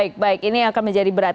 baik baik ini akan menjadi berat